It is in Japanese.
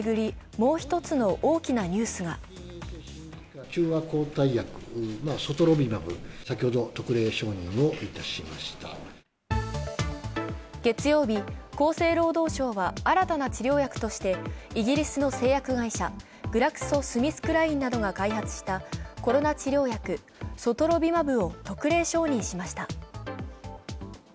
もう一つの大きなニュースが月曜日、厚生労働省は新たな治療薬としてイギリスの製薬会社、グラクソ・スミスクラインなどが開発したコロナ治療薬、ソトロビマブを特例承認しました。